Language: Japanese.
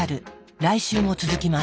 来週も続きます。